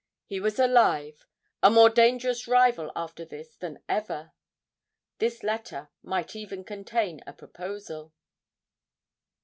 He was alive; a more dangerous rival after this than ever. This letter might even contain a proposal!